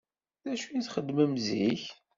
D acu i txeddmem zik?